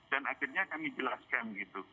dan akhirnya kami jelaskan gitu